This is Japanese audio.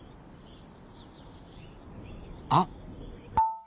あっ！